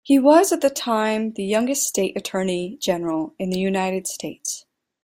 He was, at that time, the youngest state attorney general in the United States.